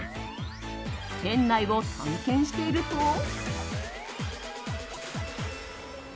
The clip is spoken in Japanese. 店内を探検していると。